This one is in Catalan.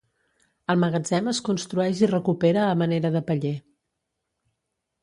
El magatzem es construeix i recupera a manera de paller.